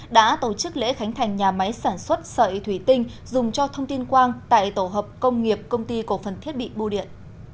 đã tổ chức lễ khánh thành nhà máy sản xuất sợi thủy tinh dùng cho thông tin quang tại tổ hợp công nghiệp công ty cổ phần thiết bị bưu điện